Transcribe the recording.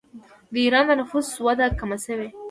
د ایران د نفوس وده کمه شوې.